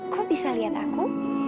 kok bisa lihat aku